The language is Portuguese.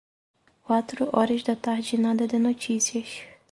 Quatro horas da tarde e nada de notícias.